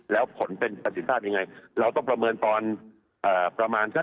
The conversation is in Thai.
แล้วผลเป็นประสิทธิภาพยังไงเราต้องประเมินตอนประมาณสัก